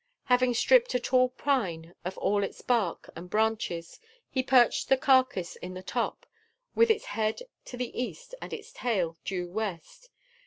Having stripped a tall pine of all its bark and branches, he perched the carcass in the top, with its head to the east and its tail due west.